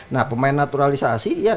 nah pemain naturalisasi